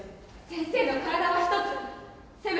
先生の体は一つ。